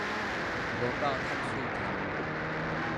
無夠窒喙空